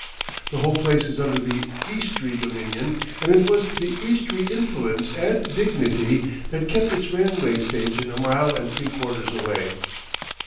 The whole place is under the Eastry dominion and it was the Eastry influence and dignity that kept its railway station a mile and three quarters away.